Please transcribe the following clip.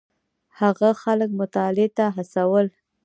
هغه خلک مطالعې ته هڅول.